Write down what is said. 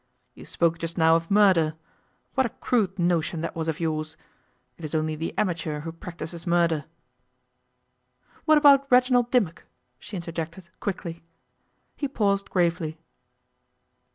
You spoke just now of murder. What a crude notion that was of yours! It is only the amateur who practises murder ' 'What about Reginald Dimmock?' she interjected quickly. He paused gravely.